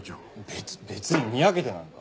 別別ににやけてなんか。